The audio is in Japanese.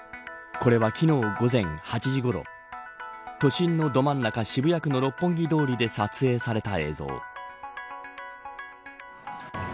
これは昨日午前８時ごろ都心のど真ん中渋谷区の六本木通りで撮影された映像。